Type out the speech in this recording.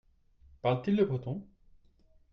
Parle-t-il le breton ?